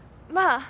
まあ。